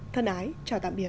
thân ái chào tạm biệt